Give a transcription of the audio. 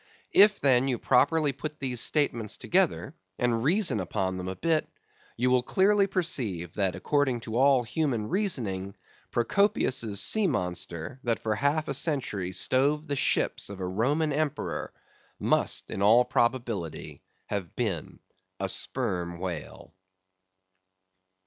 If, then, you properly put these statements together, and reason upon them a bit, you will clearly perceive that, according to all human reasoning, Procopius's sea monster, that for half a century stove the ships of a Roman Emperor, must in all probability have been a sperm whale.